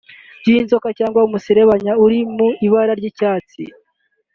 by’inzoka cyangwa umusaraba uri mu ibara ry’icyatsi